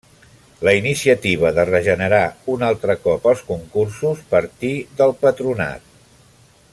La iniciativa de regenerar un altre cop els concursos partí del Patronat.